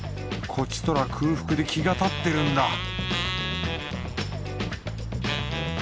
こちとら空腹で気が立ってるんだ